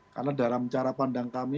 karena dalam cara pandang kami